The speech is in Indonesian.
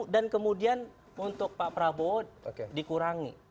dan kemudian untuk pak prabowo dikurangi